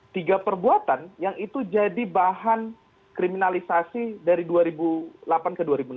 tiga perbuatan yang itu jadi bahan kriminalisasi dari dua ribu delapan ke dua ribu enam belas